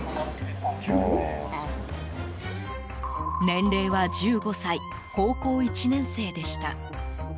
年齢は１５歳高校１年生でした。